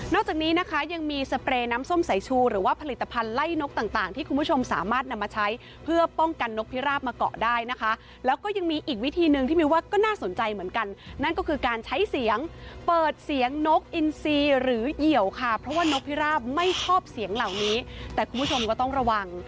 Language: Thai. จากนี้นะคะยังมีสเปรย์น้ำส้มสายชูหรือว่าผลิตภัณฑ์ไล่นกต่างที่คุณผู้ชมสามารถนำมาใช้เพื่อป้องกันนกพิราบมาเกาะได้นะคะแล้วก็ยังมีอีกวิธีหนึ่งที่มิวว่าก็น่าสนใจเหมือนกันนั่นก็คือการใช้เสียงเปิดเสียงนกอินซีหรือเหยียวค่ะเพราะว่านกพิราบไม่ชอบเสียงเหล่านี้แต่คุณผู้ชมก็ต้องระวัง